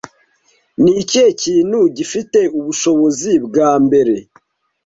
Ni ikihe kintu gifite ubushobozi bwa mbere